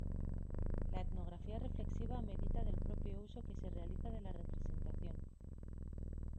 La etnografía reflexiva medita del propio uso que se realiza de la representación.